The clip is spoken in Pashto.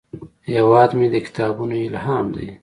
هیواد مې د کتابونو الهام دی